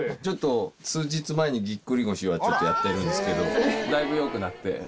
ちょっと数日前にぎっくり腰をちょっとやってるんですけどだいぶ良くなって。